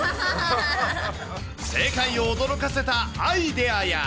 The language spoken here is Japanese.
世界を驚かせたアイデアや。